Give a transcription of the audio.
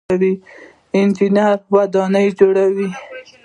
انجنیر ودانۍ جوړوي.